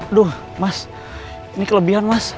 aduh mas ini kelebihan mas